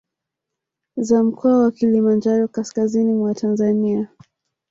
Za Mkoa wa Kilimanjaro Kaskazini mwa Tanzania